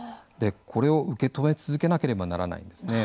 これを受け止め続けなければならないんですね。